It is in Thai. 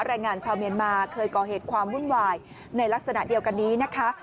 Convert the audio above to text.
แรงงานชาวเมียนมาเคยก่อเหตุความวุ่นวายในลักษณะเดียวกันนี้นะคะ